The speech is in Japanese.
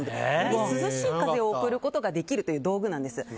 より涼しい風を送ることができるという道具なんです。